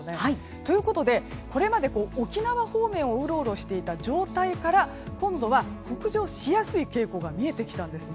ということでこれまで沖縄方面をうろうろしていた状態から今度は北上しやすい傾向が見えてきたんです。